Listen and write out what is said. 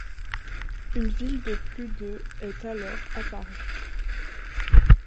Une ville de plus de est alors apparue.